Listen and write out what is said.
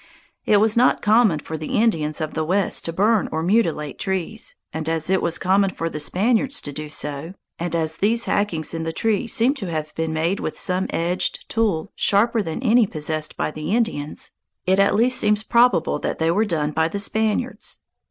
It was not common for the Indians of the West to burn or mutilate trees, and as it was common for the Spaniards to do so, and as these hackings in the tree seemed to have been made with some edged tool sharper than any possessed by the Indians, it at least seems probable that they were done by the Spaniards.